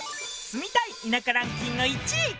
住みたい田舎ランキング１位！